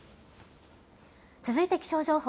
続いて気象情報。